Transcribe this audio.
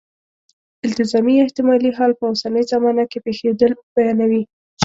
التزامي یا احتمالي حال په اوسنۍ زمانه کې پېښېدل بیانوي.